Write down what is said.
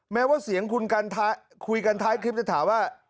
แม้ว่าเสียงคุณกันคุยกันท้ายคลิปจะถามว่า